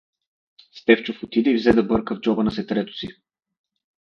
Стефчов отиде и взе да бърка в джоба на сетрето си.